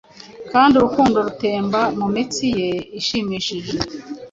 kandi urukundo rutemba mu mitsi ye ishimishije